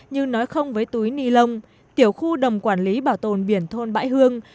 như nói không với túi ni lông tiểu khu đồng quản lý bảo tồn biển thôn bãi hương